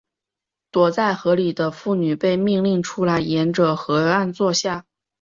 躲在河里的妇女被命令出来沿着河岸坐下。